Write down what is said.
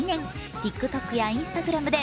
ＴｉｋＴｏｋやＩｎｓｔａｇｒａｍで